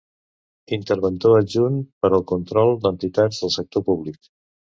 Interventor adjunt per al Control d'Entitats del Sector Públic.